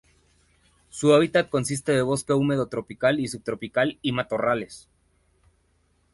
Su hábitat consiste de bosque húmedo tropical y subtropical y matorrales.